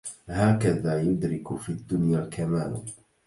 هكذا يدرك في الدنيا الكمال